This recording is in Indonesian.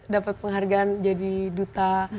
dapat penghargaan jadi duta